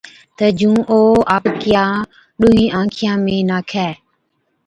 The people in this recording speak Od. تہ جُون او آپڪِيان ڏُونھِين آنکان ۾ ناکَي